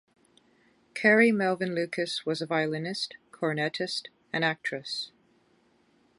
Carrie Melvin Lucas was a violinist, coronetist, and actress.